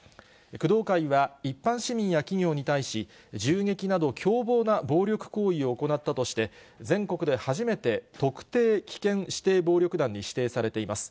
工藤会は、一般市民や企業に対し、銃撃など凶暴な暴力行為を行ったとして、全国で初めて、特定危険指定暴力団に指定されています。